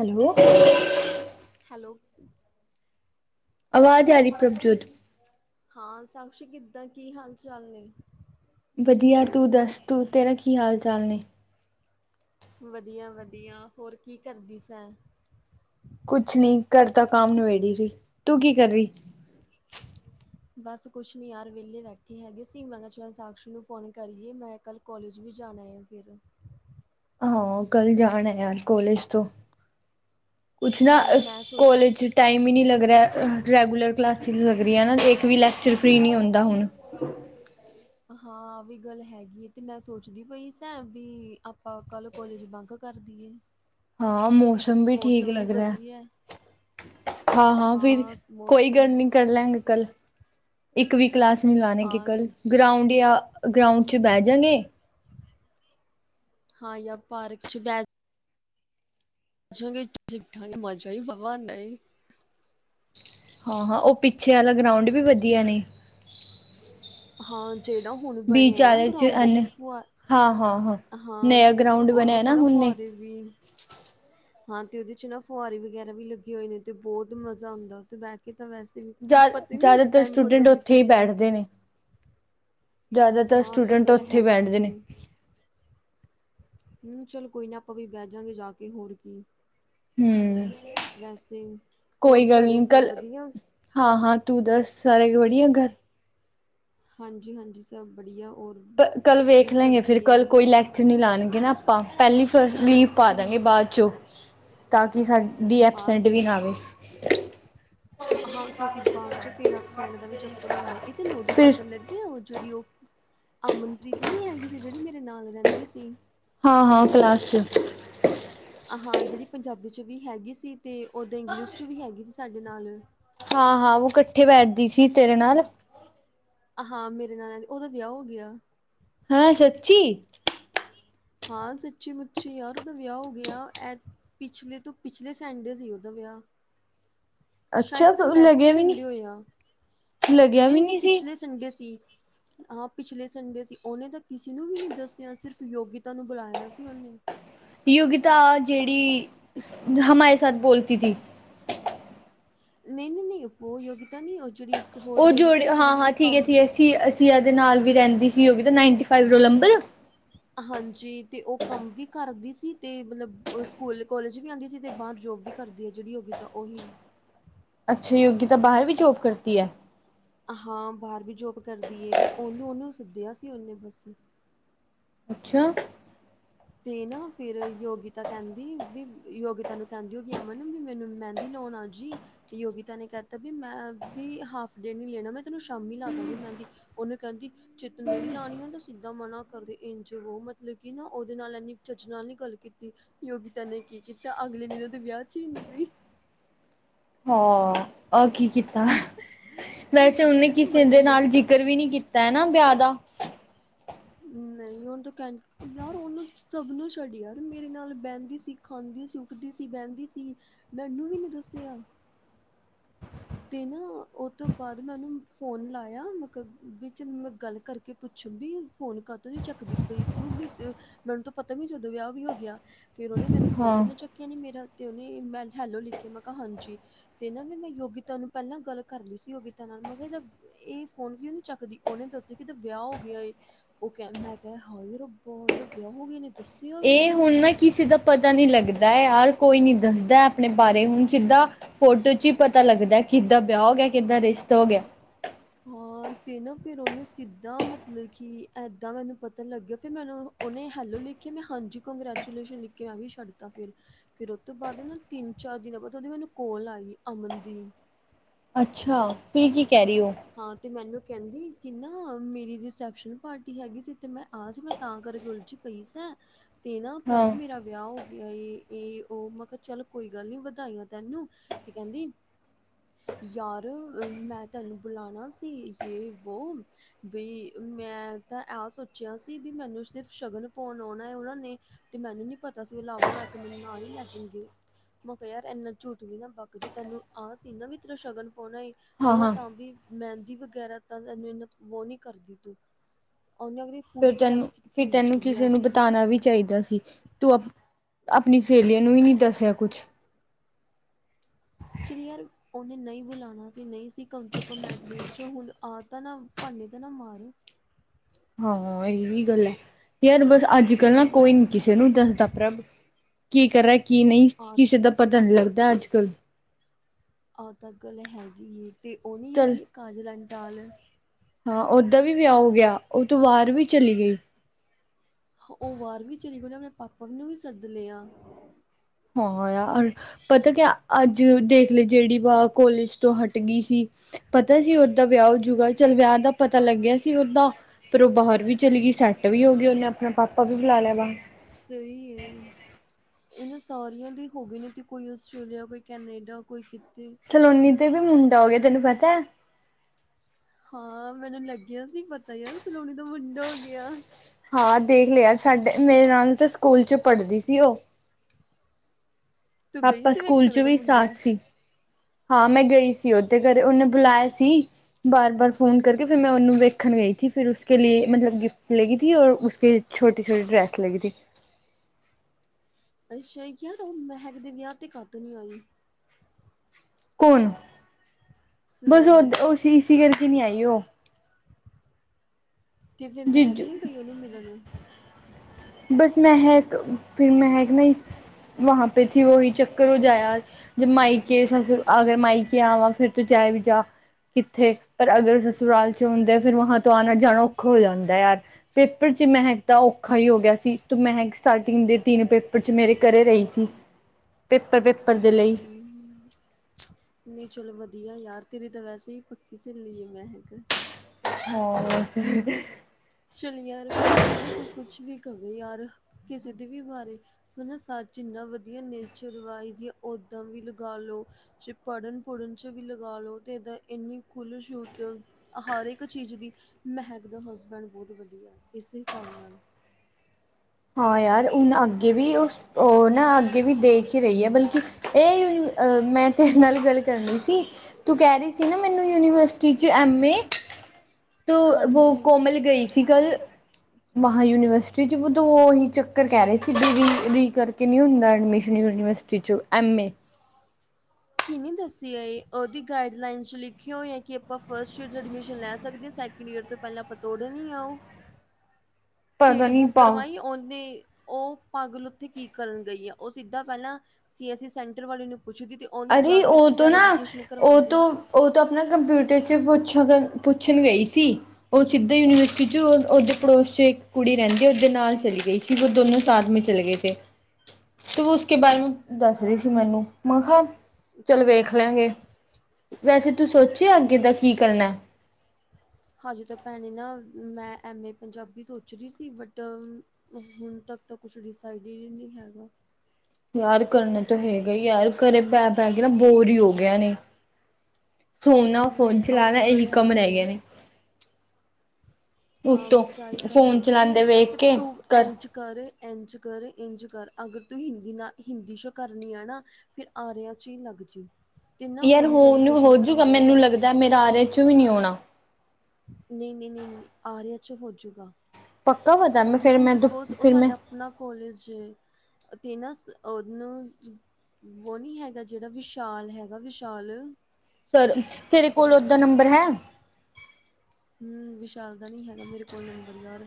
Hello. Hello. ਆਵਾਜ਼ ਆ ਰਹੀ ਪ੍ਰਭਜੋਤ। ਹਾਂ ਸਾਕਸ਼ੀ ਕਿੱਦਾਂ ਕੀ ਹਾਲ-ਚਾਲ ਨੇ? ਵਧੀਆ, ਤੂੰ ਦੱਸ ਤੂੰ ਤੇਰਾ ਕੀ ਹਾਲ-ਚਾਲ ਐ? ਵਧੀਆ-ਵਧੀਆ, ਹੋਰ ਕੀ ਕਰਦੀ ਸੈ? ਕੁਛ ਨਹੀਂ ਘਰ ਦਾ ਕਾਮ ਨਿਬੇੜੀ ਸੀ, ਤੂੰ ਕੀ ਕਰ ਰੀ? ਬਸ ਕੁਛ ਨਹੀਂ ਯਾਰ ਵਿਹਲੇ ਬੈਠੇ ਹੈਗੇ ਸੀ ਮੈਂ ਕਿਹਾ ਸਾਕਸ਼ੀ ਨੂੰ ਫੋਨ ਕਰੀਏ ਮੈਂ ਕੱਲ। ਕਾਲਜ ਵੀ ਜਾਣਾ ਐ ਫਿਰ। ਹਾਂ ਕੱਲ ਜਾਣਾ ਯਾਰ ਕਾਲਜ ਤੋਂ। ਕੁਛ ਨਾ ਮੈਂ ਸੋਚ ਰਹੀ ਸੀ ਕਾਲਜ। ਟਾਈਮ ਹੀ ਨਹੀਂ ਲੱਗ ਰਿਆ ਰੈਗੂਲਰ ਕਲਾਸਿਸ ਲੱਗਰੀਆਂ ਐ ਨਾ ਏਕ ਵੀ ਲੈਕਚਰ ਫ੍ਰੀ ਨੀ ਹੁੰਦਾ ਹੁਣ। ਹਾਂ ਵੀ ਗੱਲ ਹੈਗੀ ਐ ਤੇ ਮੈਂ ਸੋਚਦੀ ਪਈ ਸਾ ਵੀ ਆਪਾਂ ਕੱਲ ਕੋਲੇਜ ਬੰਕ ਕਰਦੀ ਏ। ਹਾਂ ਮੌਸਮ ਵੀ ਠੀਕ ਲੱਗ ਰਿਆ। ਵਧੀਆ ਹੈ। ਹਾਂ-ਹਾਂ ਫਿਰ, ਹਾਂ ਕੋਈ ਗੱਲ ਮੌਸਮ ਨੀ। ਕਰ ਲੈਗੇ ਕੱਲ, ਇੱਕ ਵੀ ਕਲਾਸ ਨੀ ਲਾਣੇ ਗੇ ਹਾਂ ਕੱਲ। ਗਰਾਉਂਡ ਜਾ, ਗਰਾਊਂਡ ਚ ਬਹਿ ਜਾਂ ਗੇ। ਹਾਂ ਜਾ ਪਾਰਕ ਚ ਬੈ [inaudible] ਨਈ ਹਾਂ-ਹਾਂ ਉਹ ਪਿੱਛੇ ਆਲਾ ਗਰਾਉਂਡ ਵੀ ਵਧੀਆ ਨੀ। ਹਾਂ ਜਿਹੜਾ ਹੁਣ ਬਣਿਆ ਨਾ ਗਰਾਉਂਡ ਉਹ ਫ ਹਾਂ-ਹਾਂ-ਹਾਂ ਨਿਆ ਗਰਾਉਂਡ ਉਹਦੇ ਬਣਿਆ 'ਚ ਨਾ ਹੁਣੇ। ਫੁਆਰੇ ਵੀ ਹਾਂ ਤੇ ਉਹਦੇ ਚ ਨਾ ਫੁਹਰੇ ਵਗੈਰਾ ਵੀ ਲੱਗੇ ਹੋਏ ਨੇ ਤੇ ਬਹੁਤ ਮਜ਼ਾ ਆਦਾ ਤੇ ਬਹਿ ਕੇ ਤਾਂ ਵੈਸੇ ਜਾ ਪਤਾ ਨੀ ਲੱਗਦਾ ਜ਼ਿਆਦਾਤਰ ਟਾਈਮ ਕਦੋਂ ਸਟੂਡੈਂਟ ਬੀਤ ਉੱਥੇ ਹੀ ਗਿਆ। ਬੈਠਦੇ ਨੇ ਜ਼ਿਆਦਾਤਰ ਹਾਂ ਤਾਂ ਸਟੂਡੈਂਟ ਗੱਲ ਉੱਥੇ ਬੈਠਦੇ ਹੈਗੀ ਐ। ਨੇ ਹੂੰ ਚਲੋ ਕੋਈ ਨਾ ਆਪਾਂ ਵੀ ਬਹਿ ਜਾਗੇ ਜਾ ਕੇ ਹੋਰ ਕੀ। ਹਮ ਵੈਸੇ ਹੋਰ ਘਰੇ ਸਭ ਵਧੀਆ? ਹਾਂ-ਹਾਂ-ਹਾਂ, ਤੂੰ ਦੱਸ ਸਾਰੇ ਬੜੀਆਂ ਘਰ? ਹਾਂਜੀ-ਹਾਂਜੀ ਸਭ ਬੜੀਆ ਔਰ। ਕੱਲ ਵੇਖ ਕੀ ਲੈਂਗੇ ਫਿਰ ਕਰਦੀ ਆ ਕੱਲ ਕੋਈ ਲੈਕਚਰ ਨਹੀਂ ਲਾਣਗੇ ਨਾ ਆਪਾਂ ਪਹਿਲੀ ਫਸਟ ਵ ਪਾ ਹੂੰ ਦਾਂਗੇ ਬਾਦ ਚੋਂ, ਤਾਂ ਕਿ ਸਾਡੀ। ਹਾਂ ਐਬਸੈਂਟ ਤੇ। ਵੀ ਨਾ ਆਵੇ ਹਾਂ ਕਿਉਂਕਿ ਬਾਅਦ ਚੋਂ ਫੇਰ ਸਹਿਣ ਦਾ ਵੀ ਚੱਕਰ ਹੁੰਦਾ ਐ ਇਹ ਤੈਨੂੰ ਉਦੋਂ ਫਿਰ ਪਤਾ ਲੱਗ ਉਹ ਜਿਹੜੀ ਉਹ ਅਮਨਪ੍ਰੀਤ ਨੀ ਹੈਗੀ ਸੀ ਜਿਹੜੀ ਮੇਰੇ ਨਾਲ ਰਹਿੰਦੀ ਸੀ। ਹਾਂ-ਹਾਂ ਕਲਾਸ ਚ, ਹਾਂ ਜਿਹੜੀ ਪੰਜਾਬੀ ਚ ਵੀ ਹੈਗੀ ਸੀ ਤੇ ਓਦਾਂ ਇੰਗਲਿਸ਼ ਚ ਵੀ ਹੈਗੀ ਸੀ ਸਾਡੇ ਨਾਲ, ਹਾਂ ਹਾਂ ਉਹ ਇਕੱਠੇ ਬੈਠਦੀ ਸੀ ਤੇਰੇ ਨਾਲ। ਹਾਂ, ਮੇਰੇ ਨਾਲ ਉਹਦਾ ਵਿਆਹ ਹੋ ਗਿਆ। ਹੈ ਸੱਚੀ! ਹਾਂ, ਸੱਚੀ ਮੁੱਚੀ ਯਾਰ ਉਹਦਾ ਵਿਆਹ ਹੋ ਗਿਆ। ਪਿਛਲੇ ਤੋਂ ਪਿਛਲੇ ਸੈਂਡ ਸੀ ਉਹਦਾ ਵਿਆਹ [inaudible] ਸ਼ਾਇਦ ਅੱਛਾ ਪਤਾ ਨੀ ਐਤਕੀ ਲੱਗਿਆ ਵੀ ਨੀ ਸੰਡੇ ਹੋਇਆ ਲੱਗਿਆ ਵੀ ਏ ਨਹੀਂ ਸੀ ਪਿਛਲੇ ਸੰਡੇ ਸੀ ਹਾਂ ਪਿਛਲੇ ਸੰਡੇ ਸੀ ਉਹਨੇ ਤਾਂ ਕਿਸੇ ਨੂੰ ਵੀ ਨਹੀਂ ਦੱਸਿਆ ਸਿਰਫ ਯੋਗੀ ਤਾ ਨੂੰ ਬੁਲਾਇਆ ਸੀ ਉਹਨੇ, ਯੋਗਿਤਾ ਆ ਜਿਹੜੀ ਹਮਾਰੇ ਸਾਥ ਬੋਲਤੀ ਤੀ। ਨਈ ਨਈ ਨਈ ਉਹ ਯੋਗਿਤਾ ਨੀ ਉਹ ਜਿਹੜੀ ਹੋਰ ਉਹ ਜੋੜ ਯੋਗਿਤਾ ਨਹੀਂ ਹੈਗੀ ਹਾਂ ਜਿਹੜੀ ਹਾਂ ਠੀਕ ਆ ਕੰਮ ਠੀਕ ਵੀ ਆ ਸੀ ਏ ਸੀ ਏ ਦੇ ਨਾਲ ਵੀ ਰਹਿੰਦੀ ਸੀ Yogita ninety five roll number. ਹਾਂਜੀ, ਤੇ ਉਹ ਕੰਮ ਵੀ ਕਰਦੀ ਸੀ। ਤੇ ਮਤਲਬ ਸਕੂਲ ਕੋਲਜ ਵੀ ਆਂਦੀ ਸੀ ਤੇ ਬਾਹਰ ਜੋਬ ਵੀ ਕਰਦੀ ਐ ਜਿਹੜੀ ਯੋਗਤਾ ਉਹੀ ਅੱਛਾ ਯੋਗੀਤਾ ਬਾਹਰ ਵੀ ਜੋਬ ਕਰਦੀ ਐ। ਹਾਂ ਬਾਹਰ ਵੀ ਜੋਬ ਕਰਦੀ ਐ ਤੇ ਉਹਨੂੰ ਉਹਨੂੰ ਸੱਦਿਆ ਸੀ ਉਹਨੇ ਬਸ, ਅੱਛਾ! ਤੇ ਨਾ ਫੇਰ ਯੋਗਿਤਾ ਕਹਿੰਦੀ ਵੀ ਯੋਗਿਤਾ ਨੂੰ ਕਹਿੰਦੀ ਕੀ ਅਮਨ ਵੀ ਮੈਨੂੰ ਮ ਹਿੰਦੀ ਲਾਉਣ ਆ ਜੀ। ਯੋਗਿਤਾ ਨੇ ਕਹਿਤਾ ਵੀ ਮੈਂ ਵੀ ਹਾਫ ਡੇ ਨੀ ਲੈਣਾ ਮੈਂ ਤੈਨੂੰ ਸ਼ਾਮੀ ਲਾ ਦਾਂਗੀ ਮਹਿੰਦੀ। ਉਹਨੂੰ ਕਹਿੰਦੀ ਜੇ ਤੂੰ ਨਹੀਂ ਲਾਣੀਆਂ ਤਾਂ ਸਿੱਧਾ ਮਨਾ ਕਰਦੇ ਇੰਝ ਰੋ ਮਤਲਬ ਕੀ ਨਾ। ਉਹਦੇ ਨਾਲ ਇੰਨੀ ਚੱਜ ਨਾਲ ਨੀ ਗੱਲ ਕੀਤੀ, ਯੋਗਿਤਾ ਨੇ ਕੀ ਕੀਤਾ ਅਗਲੇ ਦਿਨ ਉਹਦੇ ਵਿਆਹ ਚ ਹੀ ਨੀ ਗਈ। ਹਾਂ, ਐ ਕੀ ਕੀਤਾ ਵੈਸੇ ਉਹਨੇ ਕਿਸੇ ਮੈਂ ਕਿਹਾ ਦੇ ਯਾਰ ਨਾਲ ਜਿ ਕਰ ਵੀ ਨੀ ਕੀਤਾ ਹੈ ਨਾ ਵਿਆਹ ਦਾ ਨਹੀਂ ਓਹਨੂੰ ਤਾਂ ਕਹਿਣ ਯਾਰ ਉਹਨੂੰ ਸਭ ਨੂੰ ਛੱਡ ਯਾਰ ਮੇਰੇ ਨਾਲ ਬਹਿੰਦੀ ਸੀ। ਖਾਂਦੀ ਸੀ, ਉੱਠਦੀ ਸੀ, ਬਹਿੰਦੀ ਸੀ, ਮੈਨੂੰ ਵੀ ਨੀ ਦੱਸਿਆ। ਤੇ ਨਾ ਉਹ ਤੋਂ ਬਾਅਦ ਮੈਂ ਉਹਨੂੰ ਫੋਨ ਲਾਇਆ, ਮਤਲਬ ਵਿੱਚ ਮੈਂ ਗੱਲ ਕਰਕੇ ਪੁਛੁਗੀ ਵੀ ਫੋਨ ਕਾਤੋ ਨੀ ਚੱਕਦੀ ਪਈ ਤੂੰ ਵੀ ਮੈਨੂੰ ਤਾਂ ਪਤਾ ਨੀ ਸੀ ਓਦਾ ਵਿਆਹ ਵੀ ਹੋ ਗਿਆ। ਫਿਰ ਉਹਨੇ ਮੈਨੂੰ ਫੋਨ ਹਾਂ ਤਾਂ ਚੱ ਕਿਆ ਨੀ ਮੇਰਾ ਤੇ ਉਹਨੇ ਮੈਂ ਹੈਲੋ ਲਿਖੀ ਮੈਂ ਕਿਹਾ ਹਾਂਜੀ ਤੇ ਨਾ ਵੀ ਮੈਂ ਯੋਗਿ ਤੈਨੂੰ ਪਹਿਲਾਂ ਗੱਲ ਕਰ ਲਈ ਸੀ ਯੋਗਿਤਾ ਨਾਲ ਮੈਂ ਕਿਹਾ ਇਹਦਾ ਇਹ ਫੋਨ ਕਿਉਂ ਨਹੀਂ ਚੱਕਦੀ ਉਹਨੇ ਦੱਸਿਆ ਕਿ ਏਦਾ ਵਿਆਹ ਹੋ ਗਿਆ ਏ। ਉਹ ਕਹਿ ਮੈਂ ਕਿਹਾ ਹਾਏ ਰੱਬਾ ਉਹਦਾ ਵਿਆਹ ਹੋ ਗਿਆ ਏ। ਇਹ ਹੁਣ ਨਾ ਕਿਸੇ ਦਾ ਪ ਪਤਾ ਨੀ ਲੱਗਦਾ ਯਾਰ ਕੋਈ ਨੀ ਦੱਸਦਾ ਆਪਣੇ ਬਾਰੇ ਹੁਣ ਸਿੱਧਾ ਫੋਟੋ ਚ ਹੀ ਪਤਾ ਲੱਗਦਾ। ਕਿੱਦਾਂ ਵਿਆਹ ਹੋ ਗਿਆ, ਕਿੱਦਾਂ ਰਿਸ਼ਤਾ ਹੋ ਗਿਆ। ਹਾਂ ਤੇ ਨਾ ਫਿਰ ਉਹਨੇ ਸਿੱਧਾ ਮਤਲਬ ਕਿ ਏਦਾਂ ਮੈਨੂੰ ਪਤਾ ਲੱਗਿਆ ਫਿਰ ਮੈਨੂੰ ਉਹਨੇ ਹੈਲੋ ਲਿਖਿਆ ਮੈਂ ਹਾਂਜੀ ਕੰਗਰੈਚੂਲੇਸ਼ਨ ਲਿਖਕੇ ਮੈਂ ਵੀ ਛੱਡਤਾ ਫਿਰ। ਫਿਰ ਉਹ ਤੋਂ ਬਾਅਦ ਉਹ ਤਿੰਨ ਚਾਰ ਦਿਨਾਂ ਬਾਅਦ ਉਹਦੀ ਮੈਨੂੰ ਕੋਲ ਆਈ ਅਮਨ ਦੀ। ਅੱਛਾ ਫਿਰ ਕੀ ਕਹਿ ਰਹੀ ਓ ਹਾਂ ਤੇ ਮੈਨੂੰ ਕਹਿੰਦੀ ਕਿ ਨਾ ਮੇਰੀ ਰਿਸੈਪਸ਼ਨ ਪਾਰਟੀ ਹੈਗੀ ਸੀ ਤੇ ਮੈਂ ਆ ਸੀ ਮੈਂ ਤਾਂ ਕਰਕੇ ਮੈਂ ਉਲਝੀ ਪਈ ਸਹੈ ਤੇ ਨਾ ਪ੍ਰਭ ਹਾਂ, ਮੇਰਾ। ਵਿਆਹ ਹੋ ਗਿਆ ਈ ਏ ਓ ਮੈਂ ਕਿਹਾ ਚੱਲ ਕੋਈ ਗੱਲ ਨੀ ਵਧਾਈਆਂ ਤੈਨੂੰ ਤੇ ਕਹਿੰਦੀ, ਯਾਰ ਮੈਂ ਤੈਨੂੰ ਬੁਲਾਨਾ ਸੀ ਯੇ ਵੋ ਵੀ ਮੈਂ ਤਾਂ ਆਹ ਸੋਚਿਆ ਸੀ ਵੀ ਮੈਨੂੰ ਸਿਰਫ਼ ਸ਼ਗਨ ਪਾਉਣ ਆਉਣਾ ਹੈ ਉਹਨਾਂ ਨੇ ਤੇ ਮੈਨੂੰ ਨੀ ਪਤਾ ਸੀ ਉਹ ਲਾਵਾ ਲੈ ਕੇ ਮੈਨੂੰ ਨਾਲ ਈ ਲੈਜਨ ਗੇ। ਮੈਂ ਕਿਹਾ ੲੱਨਾ ਝੂਠ ਵੀ ਨਾ ਬਾਕ ਜੇ ਤੈਨੂੰ ਆਹ ਸੀ ਨਾ ਵੀ ਤਰਾ ਸ਼ਗਨ ਪਾਉਨਾ ਈ ਤੂੰ ਨਾ ਹਾਂ-ਹਾਂ ਤਾਂ ਵੀ-' ਮਹਿੰਦੀ ਵਗੈਰਾ ਤਾਂ ਤੈਨੂੰ ਇਹ ਵੋ ਨੀ ਕਰਦੀ ਤੂੰ ਉਹਨੇ ਅਗਲੀ ਫੇਰ ਪੂਰੀ ਤਿਆਰੀ ਤੈਨੂੰ ਕੀਤੀ ਫਿਰ ਹੋਈ ਤੈਨੂੰ ਸੀ ਵਿਆਹ ਕਿਸੇ ਨੂੰ ਦੀ ਬਤਾਨਾ ਵੀ ਚਾਹੀਦਾ ਸੀ। ਤੂੰ ਅਪ ਅਪਨੀ ਸਹੇਲੀਆਂ ਨੂੰ ਵੀ ਨੀ ਦੱਸੇਆ ਕੁਛ। ਚਿੜੀ ਯਾਰ ਉਹਨੇ ਨਈ ਬੁਲਾਉਨਾ ਸੀ ਨਈ ਸੀ ਕਮ ਤੋਂ ਕਮ ਐਟਲੀਸਟ ਹੁਨ ਆ ਤਾਂ ਨਾ ਭਾਂਨਿ ਤਾਂ ਨਾ ਮਾਰ। ਹਾਂ ਇਹ ਵੀ ਗੱਲ ਏ ਯਾਰ ਬਸ ਅੱਜ ਕੱਲ ਨਾ ਕੋਈ ਹਮ, ਨੀ ਕਿਸੇ ਨੂੰ ਦੱਸਦਾ ਪ੍ਰਭ ਕੀ ਕਰੇ ਕੀ ਨਈ ਆ ਕਿਸ਼ੇ ਦਾ ਪਤਾ ਨਈ ਲੱਗਦਾ ਅੱਜ ਕੱਲ। ਆ ਤ ਗੱਲ ਹੈਗੀ ਏ ਤੇ ਉਹ ਨੀ ਚੱਲ ਹੈਗੀ ਕਾਜਲ ਏਨਟਾਲਨ। ਹਾਂ ਓਦਾ ਵੀ ਵਿਆਹ ਹੋ ਗਿਆ ਉਹ ਤੋਂ ਵਾਰ ਵੀ ਚਲੀ ਗਈ। ਉਹ ਵਾਰ ਵੀ ਚਲੀ ਗਈ ਉਨੇ ਆਪਨੇ ਪਾਪਾ ਨੂੰ ਵੀ ਸੱਦ ਲਿਆ। ਹਾਂ ਯਾਰ। ਪਤਾ ਕਆ ਅੱਜ ਦੇਖ ਲੇ ਜਿਹੜੀ ਵਾ ਕੋਲੇਜ ਤੋਂ ਹਟ ਗਈ ਸੀ। ਪਤਾ ਸੀ ਓਦਾ ਵਿਆਹ ਹੋਜੂਗਾ ਚੱਲ ਵਿਆਹ ਦਾ ਪਤਾ ਲੱਗਿਆ ਸੀ ਓਦਾ। ਪਰ ਉਹ ਬਾਹਰ ਵੀ ਚਲੀ ਗਈ ਸੈੱਟ ਵੀ ਹੋ ਗਈ ਉਹਨੇ ਆਪਨਾ ਪਾਪਾ ਵੀ ਬੁਲਾ ਲਿਆ ਵਹਾਂ। ਸਈ ਏ। ਇਹਨਾਂ ਸਾਰੀਆਂ ਦੇ ਹੋ ਗਏ ਨੇ ਤੇ ਕੋਈ ਆਸਟ੍ਰੇਲੀਆ ਕੋਈ ਕੈਨੇਡਾ ਕੋਈ ਕਿੱਥੇ। ਸਲੋਨੀ ਤੇ ਵੀ ਮੁੰਡਾ ਹੋ ਗਿਆ ਤੈਨੂੰ ਪਤਾ। ਹਾਂ ਮੈਨੂੰ ਲੱਗੇਆ ਸੀ ਪਤਾ ਯਾਰ ਸਲੋਨੀ ਦਾ ਮੁੰਡਾ ਹੋ ਗਿਆ। ਹਾਂ ਦੇਖ ਲਿਆ ਛਡ ਮੇਰੇ ਨਾਲ ਤਾਂ ਸਕੂਲ ਚ ਪੜ੍ਹਦੀ ਸੀ ਉਹ। ਤੂੰ ਗਈ ਆਪਾਂ ਸੀ ਸਕੂਲ ਵੇਖਣ ਚ ਉਹਦਾ ਵੀ ਮੁੰਡਾ ਸਾਥ ਸੀ। ਹਾਂ ਮੈਂ ਗਈ ਸੀ ਉਹਦੇ ਘਰੇ ਉਨੇ ਬੁਲਾਇਆ ਸੀ। ਬਾਰ ਬਾਰ ਫੋਨ ਕਰਕੇ ਫਿਰ ਮੈਂ ਉਹਨੂੰ ਵੇਖਨ ਗਈ ਥੀ ਫਿਰ ਉਸਕੇ ਲਿਏ ਮਤਲਬ ਗਿਫਟ ਲੇ ਗਈ ਥੀ ਔਰ ਉਸਕੇ ਛੋਟੀ ਛੋਟੀ ਡਰੈੱਸ ਲੇਗੀ ਥੀ। ਅੱਸੀ ਸ਼ੈਅ ਕੀਆ ਉਹ ਮਹਕ ਦੇ ਵਿਆਹ 'ਤੇ ਘਗ ਨਈ ਆਈ। ਕੌਨ ਬਸ ਸਲੋਨੀ ੳਦ ਸੀਸੀ ਕਰਕੇ ਨਈ ਆਈ ਉਹ। ਤੇ ਫੇਰ ਮਹਗ ਨਈ ਗਈ ਉਹਨੂੰ ਮਿਲਨ। ਬਸ ਮਹਕ ਫਿਰ ਮਹਕ ਨਾ ਵਹਾਂ ਪੇ ਥੀ ਉਹਹੀ ਚੱਕਰ ਓ ਜਾਏਆ ਜੇ ਮਾਈਕੇ ਸੱਸੁਰ ਆਗਏ ਮਾਈਕੇ ਆਵਾਂ ਫਿਰ ਤੇ ਜਾਏ ਵੀ ਜਾ। ਕਿੱਥੇ ਪਰ ਅਗਰ ਸਸੁਰਾਲ ਚ ਹੁੰਦੇ ਫਿਰ ਵਹਾਂ ਤੋਂ ਆਉਨਾ ਜਾਨਾ ਔਖਾ ਹੋ ਜਾਂਦਾ ਯਾਰ। ਪੇਪਰ ਚੇ ਮਹਕ ਦਾ ਔਖਾ ਹੀ ਹੋ ਗਿਆ ਸੀ। ਮਹਕ ਸਟਾਰਟਿੰਗ ਦੇ ਤਿੰਨ ਪੇਪਰ ਚ ਮੇਰੇ ਘਰੇ ਰਹੀ ਸੀ। ਪੇਪਰ ਪੇਪਰ ਦੇ ਲਈ। ਨਈ ਚਲੋ ਵਦਿਆ ਯਾਰ ਤੇਰੀ ਤਾਂ ਵੈਸੇ ਈ ਪੱਕੀ ਸਹੇਲੀ ਏ ਮਹਕ। ਹਾਂ ਸਈ ਏ। ਚਲ ਯਾਰ ਭਾਵੇਂ ੳਨੂ ਕੋਈ ਕੁਛ ਵੀ ਕਵੇ ਯਾਰ ਕਿਸੇ ਦੇ ਵੀ ਬਾਰੇ। ਸੁਨੲ ਸਚ ਇੰਨਾ ਵਦਿਆ ਨੇਚਰ ਵਈਜ਼ ਯਾਂ ਓਦਾਂ ਵੀ ਲਗਾ ਲਉ। ਚਿਪ ਪੜ੍ਹਨ ਪੁੜ੍ਹਨ ਚ ਵੀ ਲਗਾ ਲੋ ਤੇ ਇਹਦਾ ਏਨੀ ਖੁੱਲ ਛੂਟ ਦਿਓ ਹਰ ਇੱਕ ਚੀਜ਼ ਦੀ ਮਹਕ ਦਾ ਹਸਬੈਂਡ ਬੋਹੁਤ ਵਦਿਆ ਏ। ਇਸ ਸੀ ਸਾਵ ਨਾਲ। ਹਾਂ ਯਾਰ ਹੁਨ ਅੱਗੇ ਵੀ ਉਹ ਨਾ ਅੱਗੇ ਵੀ ਦੇਖ ਈ ਰਈ ਏ। ਬਲਕਿ ਏ ਅ ਮੈਂ ਤੇਰੇ ਨਾਲ ਗੱਲ ਕਰਨੀ ਸੀ। ਤੂੰ ਕਹਿ ਰੀ ਸੀ ਨਾ ਮੈਨੂੰ ਯੂਨੀਵਰਸਿਟੀ ਚ ਐਮ ਏ। ਤੂ ਵੋ ਹਾਂਜੀ ਕੋਮਲ ਗਈ ਸੀ ਕੱਲ, ਵਹਾਂ ਯੂਨੀਵਰਸਿਟੀ ਚ ਬੁਦ ਤ ਉਹੀ ਚੱਕਰ ਕਹ ਰੇ ਸੀ ਜਿਦੀ ਰੀ ਕਰਕੇ ਨਈ ਹੁੰਦਾ ਐਡਮਿਸ਼ਨ ਯੂਨੀਵਰਸਿਟੀ 'ਚ ਐੱਮ ਏ। [inaudible] [inaudible] ਕੀ ਨੀ ਦੱਸੀ ਏ ਉਹਦੀ ਗਾਈਡਲਾਈਨ 'ਚ ਲਿਖਆ ਉਆ ਕਿ ਆਪਾਂ ਫਸਟ 'ਚ ਐਡਮਿਸ਼ਨ ਲੈ ਸਕਦੇ ਸੈਕ ਕਿਲੀਅਰ ਤੋਂ ਪਹਿਲਾਂ ਪਤੋੜਨੀ ਆੳ। ਪਤਾ ਸੀਟ ਨਹੀਂ ਬੁੱਕ ਪਾ ਕਰਵਾਈ ਉਹਨੇ ਉਹ ਪਾਗਲ ਉੱਥੇ ਕੀ ਕਰਨ ਗਈ ਆ। ਉਹ ਸਿੱਧਾ ਪਹਿਲਾਂ ਸੀ ਐੱਸ ਈ ਸੈਂਟਰ ਵਾਲੇ ਨੂੰ ਪੁੱਛਦੀ ਅਤੇ ਉਹਨੂੰ ਜਾ ਅਰੇ ਕੇ ਉਹ ਤੋਂ ਸਿੱਧਾ ਨਾ ਰਜਿਸਟ੍ਰੇਸ਼ਨ ਉਹ ਕਰਵਾਉਂਦੀ। ਤੋਂ ਉਹ ਤੋਂ ਆਪਣਾ ਕੰਪਿਊਟਰ ਚ ਪੁੱਛਉਗਾ, ਪੁੱਛਣ ਗਈ ਸੀ। ਉਹ ਸਿੱਧਾ ਯੂਨੀਵਰਸਿਟੀ ਚ ਓਦੇ, ਪੜੋਸ ਚ ਇੱਕ ਕੁੜੀ ਰਹਿੰਦੀ ਉਹਦੇ ਨਾਲ ਚਲੀ ਗਈ ਸੀ, ਉਹ ਦੋਨੋ ਸਾਥ ਮੇ ਚਲੇ ਗਏ ਸੀ। ਤੇ ਉਸਕੇ ਬਾਰੇ ਮਾ ਦੱਸ ਰਹੀ ਸੀ ਮੈਨੂੰ ਮਖਾ ਚੱਲ ਵੇਖ ਲੈਗੇ, ਵੈਸੇ ਤੂੰ ਸੋਚਿਆ ਅੱਗੇ ਅ- ਦਾ ਕੀ ਕਰਨਾ। ਹਜੇ ਤਾਂ ਭੈਣੇ ਨਾ, ਮੈਂ ਐਮ ਏ ਪੰਜਾਬੀ ਸੋਚ ਰਹੀ ਸੀ ਬਟ ਹੁਣ ਤੱਕ ਤਾਂ ਕੁਛ ਡਿਸਾਈਡਡ ਨਹੀਂ ਹੈਗਾ। ਯਾਰ ਕਰਨਾ ਤਾਂ ਹੈਗਾ ਹੀ ਯਾਰ ਘਰੇ ਪੈ ਪੈ ਕੇ ਨਾ ਬੋਰ ਹੀ ਹੋ ਗਿਆ ਨੇ। ਸੋਨਾ, ਫੋਨ ਹਮ ਆਹ ਵੀ ਚਲਾਣਾ ਇਹੀ ਗੱਲ ਕੰਮ ਹੈਗੀ ਰਹਿ ਆ ਗਏ ਨੇ। ਹਾਂ ਉਤੋਂ ਵਸਾਈ ਤਾਂ ਫੋਨ ਹੈਗੀ ਹੈ ਚਲਾਉਂਦੇ ਵੇਖ ਤੇ ਕੇ ਤੂੰ ਘ ਇੰਝ ਕਰ ਇੰਝ, ਕਰ ਇੰਝ, ਕਰ ਅਗਰ ਤੂੰ ਹਿੰਦੀ ਨਾ ਹਿੰਦੀ ਸ਼ੋਂ ਕਰਨੀ ਆ ਨਾ। ਫਿਰ ਆਰਿਆ ਚ ਹੀ ਲੱਗ ਜੀ ਇਹਨਾ ਯਾਰ ਹੁਣੀ ਹੋ ਰੈਡੀਟੇਸ਼ਨ ਹੋਜੂਗਾ ਕਰਵਾ ਲਾ ਮੈਨੂੰ ਜਾ ਕੇ। ਲੱਗਦਾ ਮੇਰਾ ਆਰਿਆ ਚ ਵੀ ਨਹੀਂ ਆਉਣਾ। ਨਹੀਂ, ਨਹੀਂ, ਨਹੀਂ ਆਰਿਆ ਚ ਹੋਜੂਗਾ। ਪੱਕਾ ਵਤਾ ਮੈਂ ਫਿਰ ਕਿਉਂ ਮੈਂ, ਬਿਕੋਜ਼ ਉਹ ਫਿਰ ਮੈਂ ਸਾਡਾ ਆਪਣਾ ਕੋਲੇਜ ਹੈ ਤੇ ਨਾ ਉਹਨੂੰ ਉਹ ਨੀ ਹੈਗਾ, ਜਿਹੜਾ ਵਿਸ਼ਾਲ ਹੈਗਾ, ਵਿਸ਼ਾਲ ਸਰ ਤੇਰੇ ਕੋਲ ਓਦਾ ਨੰਬਰ ਹੈ। ਹੂੰ ਵਿਸ਼ਾਲ ਦਾ ਨਹੀਂ ਹੈਗਾ ਮੇਰੇ ਕੋਲ ਨੰਬਰ ਯਾਰ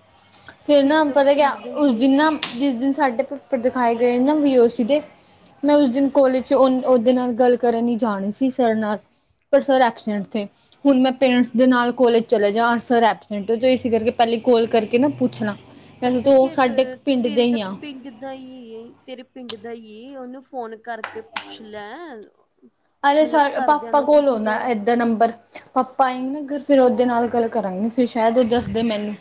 ਫਿਰ ਤੇਰੇ ਨਾ ਤਾਂ ਪਤਾ ਗਿਆ ਪਿੰਡ ਦਾ ਹੀ ਉਸ ਦਿਨ ਨਾ ਏ ਜਿਸ ਦਿਨ ਸਾਡੇ ਪਰ ਦਿਖਾਏ ਗਏ ਨਾ ਵੀ ਓ ਸੀ ਦੇ, ਮੈਂ ਉਸ ਦਿਨ ਕੋਲੇਜ ਚ ਉਹਦੇ ਨਾਲ ਗੱਲ ਕਰਨ ਹੀ ਜਾਣੀ ਸੀ। ਸਰ ਨਾਲ ਪਰ ਸਰ ਐਕਸੀਡੈਂਟ ਤੇ ਹੁਣ ਮੈਂ ਪੇਰੈਂਟਸ ਦੇ ਨਾਲ ਕੋਲੇਜ ਚਲੇ ਜਾ ਅਸ ਐਬਸੈਂਟ ਇਸ ਕਰਕੇ ਪਹਿਲੀ ਕੋਲ ਕਰਕੇ। ਕਿ ਨਾ ਪੁੱਛਣਾ ਵੈਸੇ ਪਤਾ ਤਾਂ ਉਹ ਕਿਆ ਕਰ ਸਾਡੇ ਪਿੰਡ ਦੇ ਤੇਰੇ ਤਾਂ ਹੀ ਆ ਪਿੰਡ ਦਾ, ਤੇਰੇ ਪਿੰਡ ਦਾ, ਉਹਨੂੰ ਫੋਨ ਕਰਕੇ ਪੁੱਛ ਲੈ। ਅਰੇ ਸਰ ਘਰਦਿਆਂ ਪਾਪਾ ਨੂੰ ਕੋਲ ਕਿਸੇ ਆਉਂਦਾ ਤੋਂ ਏਦਾ ਨੰਬਰ। ਪਾਪਾ ਆਏਂਗੇ ਨਾ ਘਰ ਫਿਰ ਉਹਦੇ ਨਾਲ ਗੱਲ ਕਰਾਂਗੇ, ਫਿਰ ਸ਼ਾਇਦ ਉਹ ਦੱਸਦੇ ਮੈਨੂੰ।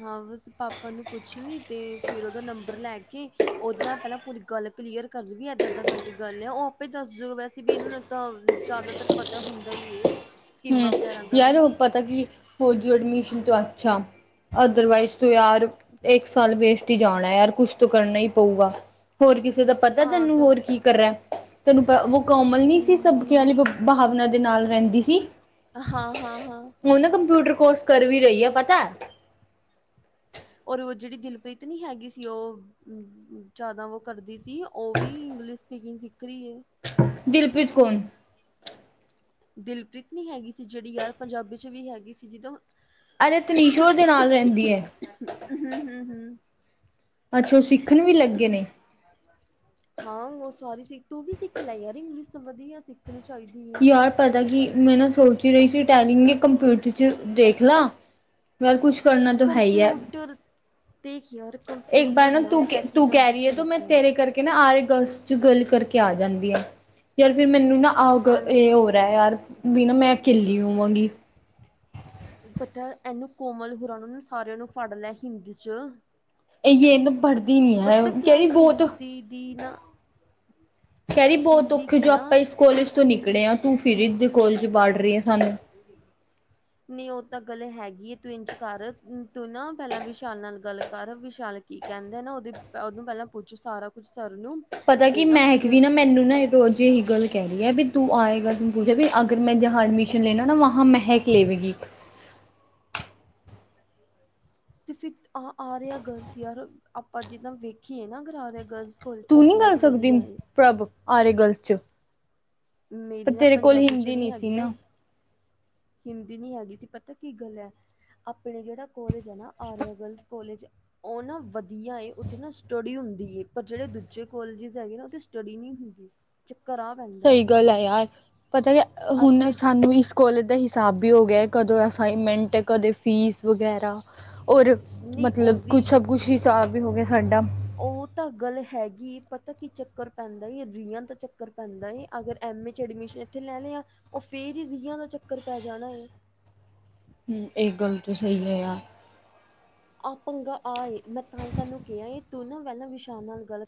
ਹਾਂ ਬਸ ਪਾਪਾ ਨੂੰ ਪੁੱਛ ਲਈ, ਤੇ ਫਿਰ ਉਹਦਾ ਨੰਬਰ ਲੈ ਕੇ, ਉਹਦੇ ਨਾਲ ਪਹਿਲਾਂ ਪੂਰੀ ਗੱਲ। ਕਲੀਅਰ ਕਰਦੂਗੀ ਇੱਦਾਂ ਏਦਾਂ ਕਰਕੇ ਗੱਲ ਹੈ, ਉਹ ਆਪੇ ਦੱਸ ਦੂ ਵੈਸੇ ਵੀ ਇਹਨਾਂ ਨੂੰ ਤਾਂ ਜ਼ਿਆਦਾਤਰ। ਪਤਾ ਹੁੰਦਾ ਈ ਹੂੰ ਯਾਰੋ ਪਤਾ ਕਿ ਹੋ ਜੂ ਐਡਮਿਸ਼ਨ ਤੋਂ ਅੱਛਾ ਅਦਰਵਾਈਜ਼ ਤੋਂ ਯਾਰ। ਇੱਕ ਸਾਲ ਵੇਸਟ ਹੀ ਜਾਣਾ ਹੈ, ਯਾਰ ਕੁਛ ਤਾਂ ਕਰਨਾ ਹੀ ਪਊਗਾ ਹੋਰ ਕਿਸੇ ਦਾ ਪਤਾ ਹਾਂ ਤੈਨੂੰ ਤਾਂ ਹੋਰ ਕੀ ਕਰ ਰਿਹਾ। ਤੈਨੂੰ ਪ ਕੋਮਲ ਨਹੀਂ ਸੀ ਸਬਕੀ ਹਮ, ਭਾਵਨਾ ਦੇ ਨਾਲ ਰਹਿੰਦੀ ਸੀ। ਹਾਂ ਹਾਂ ਹਾਂ ਹੁਨ ਨਾ ਕੰਪਿਊਟਰ ਕੋਰਸ ਕਰ ਵੀ ਰਹੀ ਐ ਪਤਾ। ਔਰ ਉਹ ਜਿਹੜੀ ਦਿਲਪ੍ਰੀਤ ਨੀ ਹੈਗੀ ਸੀ ਓ, ਜ਼ਿਆਦਾ ਓ ਕਰਦੀ ਸੀ ਉਹ ਵੀ ਇੰਗਲਿਸ਼ ਸਪੀਕਿੰਗ ਸਿੱਖ ਰਹੀ ਐ। ਦਿਲਪੀਤ ਕੌਣ? ਦਿਲਪ੍ਰੀਤ ਨੀ ਹੈਗੀ ਸੀ ਜਿਹੜੀ ਯਾਰ ਪੰਜਾਬੀ ਚ ਵੀ ਹੈਗੀ ਸੀ ਜਦੋਂ ਅਰੇ ਤਨੀਸ਼ੋਰ ਦੇ ਨਾਲ ਰਹਿੰਦੀ ਐ। ਹੂੰ ਹੂੰ ਹੂੰ। ਅੱਛਾ ਉਹ ਸਿੱਖਣ ਵੀ ਲੱਗੇ ਨੇ। ਹਾਂ ਉਹ ਸਾਰੀ ਸਿੱਖ ਤੂੰ ਵੀ ਸਿੱਖ ਲੈ ਯਾਰ ਇੰਗਲਿਸ਼ ਤੋਂ ਵਧੀਆ ਸਿੱਖਣੀ ਚਾਹੀਦੀ ਐ। ਯਾਰ ਪਤਾ ਕੀ ਮੈਂ ਨਾ ਸੋਚ ਹੀ ਰਹੀ ਸੀ ਟੈਲਿੰਗ ਕੰਪਿਊਟਰ ਚ ਦੇਖ ਲਾ। ਯਾਰ ਕੁਛ ਕਰਨਾ ਤੋਂ ਹੈਈ ਐ। ਇੱਕ ਬਾਰ ਨਾ ਤੂੰ ਤੂੰ ਕਹਿ ਰਹੀ ਐ ਤੂੰ ਮੈਂ ਤੇਰੇ ਕਰਕੇ ਨਾ ਆ [unintelligible] ਚ ਗੱਲ ਕਰਕੇ ਆ ਜਾਂਦੀ ਆ ਆਰ ਫੇਰ ਮੈਨੂੰ ਨਾ ਆਗ ਹਾਂ ਇਹ ਹੋ ਨਹੀਂ ਰਹਾ ਯਾਰ ਵੀ ਨਾ ਮੈਂ ਇਕੱਲੀ ਹੋਵਾਂਗੀ। ਪਤਾ ਇਹਨੂੰ ਕੋਮਲ ਹੋਰਾ ਨੂੰ ਸਾਰਿਆਂ ਨੂੰ ਫੜ ਲੈ ਹਿੰਦੀ ਚ। ਏ ਜੇ ਨਾ ਪੜਦੀ ਨੀ ਐ ਪਤਾ ਕਿਆ ਕਹਿ ਹੀ ਬਹੁਤ। ਹਿੰਦੀ ਦੀ ਨਾ ਕਹਿ ਰੀ ਬਹੁਤ ਹਿੰਦੀ ਔਖੇ ਕੀ ਜੋ ਨਾ ਆਪਾਂ ਇਸ ਕੋਲਜ ਤੋਂ ਨਿਕਲੇ ਆ ਤੂੰ ਫਿਰ ਏਦੀ ਕੋਲਜ ਵਾੜ ਰਹੀ ਐ ਸਾਨੂੰ। [inaudible] ਨਹੀਂ ਉਹ ਤਾਂ ਗੱਲ ਹੈਗੀ ਐ ਤੂੰ ਇੰਜ ਕਰ ਤੂੰ ਨਾ ਪੈਲਾਂ ਵਿਸ਼ਾਲ ਨਾਲ ਗੱਲ ਕਰ ਵਿਸ਼ਾਲ ਕੀ ਕਹਿੰਦਾ ਨਾ ਉਹਦੀ ਉਹਨੂੰ ਪੈਲਾਂ ਪੁੱਛ ਸਾਰਾ ਕੁਛ [unintelligible] ਪਤਾ ਕੀ ਮਹਿਕ ਵੀ ਨਾ ਮੈਨੂੰ ਨਾ ਰੋਜ ਇਹੀ ਗੱਲ ਕਹਿ ਰਹੀ ਆ ਵੀ ਤੂੰ ਆਏਗਾ ਤੂੰ। ਵੀ ਅਗਰ ਮੈਂ ਜਹਾ ਐਡਮੀਿਸ਼ਨ ਲੈਣਾ ਨਾ ਵਹਾ ਮਹਿਕ ਲਵੇਗੀ। ਤੇ ਫਿਰ ਆਹ ਆਰਿਆ ਗਰਲਸ ਯਾਰ ਆਪਾਂ ਜਿੱਦਾਂ ਵੇਖੀਏ ਨਾ ਅਗਰ ਆਰਿਆ ਗਰਲਸ। ਕੋਲ ਤੂੰ ਉਹ ਨੀ ਕਰ ਬਹੁਤ ਸਕਦੀ ਵਧੀਆ ਏ ਪ੍ਰਭ ਆਰਿਆ ਗਰਲਸ 'ਚ। ਪਰ ਮੇਰੀ ਨਾ ਤੇਰੇ ਕੋਲ ਪੰਜਾਬੀ ਚੋਂ ਹਿੰਦੀ ਨਹੀਂ ਸੀ ਹੈਗੀ ਨਾ ਹੀ ਹਿੰਦੀ ਨੀ ਹੈਗੀ ਸੀ ਪਤਾ ਕੀ ਗੱਲ ਐ ਆਪਣੇ ਜਿਹੜਾ ਕੋਲੇਜ ਐ ਨਾ ਆਰੀਆ ਗਰਲ ਕੋਲਜ। ਉਹ ਨਾ ਵਧੀਆ ਉਥੇ ਨਾ ਸਟੱਡੀ ਹੁੰਦੀ ਪਰ ਜਿਹੜੇ ਦੂਜੇ ਕੋਲਜ ਹੈਗੇ ਨਾ। ਸਟੱਡੀ ਨੀ ਹੁੰਦੀ। ਚੱਕਰ ਆ ਪੈਂਦਾ। ਏ ਸਹੀ ਗੱਲ ਆ ਯਾਰ ਪਤਾ ਔਰ ਹੁਣ ਫਿਰ ਸਾਨੂੰ ਇਸ ਕੋਲਜ ਦਾ ਹਿਸਾਬ ਵੀ ਹੋ ਗਿਆ ਕਦੋਂ ਅਸਾਈਨਮੈਂਟ ਕਦੇ ਫੀਸ ਵਗੈਰਾ ਔਰ ਨਹੀਂ ਉਹ ਮਤਲਬ ਵੀ ਕੁਛ ਸਭ ਕੁਛ ਹਿਸਾਬ ਵੀ ਹੋ ਗਿਆ ਸਾਡਾ ਉਹ ਤਾਂ ਗੱਲ ਹੈਗੀ ਪਤਾ ਕੀ ਚੱਕਰ ਪੈਂਦਾ ਏ ਰੀਆਂ ਦਾ ਚੱਕਰ ਪੈਂਦਾ ਏ। ਅਗਰ ਐਮਏ 'ਚ ਐਡਮਿਸ਼ਨ ਇੱਥੇ ਲੈਣ ਆ ਉਹ ਫਿਰ ਹੀ ਰੀਆਂ ਦਾ ਚੱਕਰ ਪੈ ਜਾਣਾ ਏ। ਹੂੰ ਏ ਗੱਲ ਤੋਂ ਸਹੀ ਐ ਯਾਰ। ਆਹ ਪੰਗਾ ਆ ਮੈਂ ਤਾਂ ਹੀ ਤੈਨੂੰ ਕਿਹਾ ਇਹ ਤੂੰ ਨਾ ਪਹਿਲਾਂ ਵਿਸ਼ਾਲ ਨਾਲ ਗੱਲ